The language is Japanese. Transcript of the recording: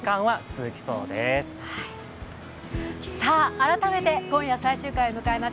改めて今夜、最終回を迎えます